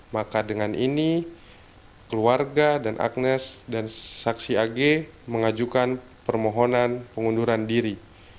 maka dengan ini keluarga dan agnes dan saksi ag mengajukan permohonan pengunduran diri